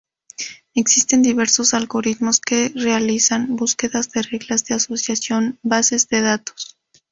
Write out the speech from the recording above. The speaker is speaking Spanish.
Existen diversos algoritmos que realizan búsquedas de reglas de asociación bases de datos.